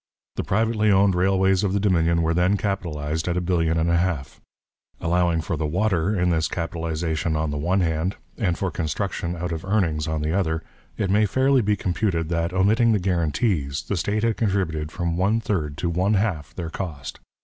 The privately owned railways of the Dominion were then capitalized at a billion and a half; allowing for the 'water' in this capitalization on the one hand, and for construction out of earnings on the other, it may fairly be computed that, omitting the guarantees, the state had contributed from one third to one half their cost.